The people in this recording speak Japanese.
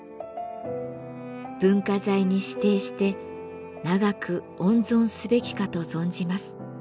文化財に指定して永く温存すべきかと存じます。